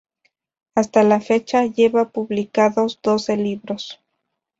Hasta la fecha lleva publicados doce libros.